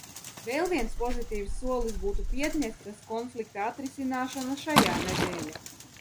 Vēl viens pozitīvs solis būtu Piedņestras konflikta atrisināšana šajā nedēļā.